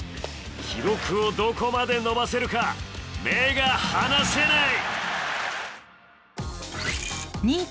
記録をどこまで伸ばせるか、目が離せない。